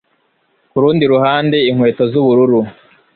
kurundi ruhande inkweto z'ubururu